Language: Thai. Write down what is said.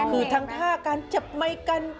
คือทางระจาะการเจ็บไหมกัน